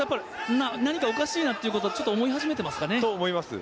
何かおかしいなってことは思い始めていますかね。